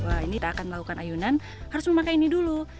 wah ini tak akan melakukan ayunan harus memakai ini dulu